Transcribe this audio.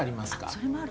それもある。